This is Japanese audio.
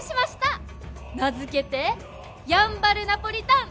名付けてやんばるナポリタン！